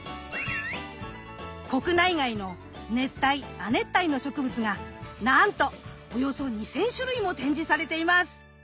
国内外の熱帯亜熱帯の植物がなんとおよそ２，０００種類も展示されています。